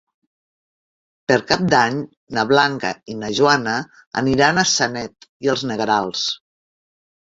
Per Cap d'Any na Blanca i na Joana aniran a Sanet i els Negrals.